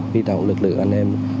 chỉ đạo lực lượng anh em